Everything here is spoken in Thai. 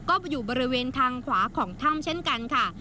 ก็อยู่บริเวณทางขวาของถ้ำเช่นกันค่ะ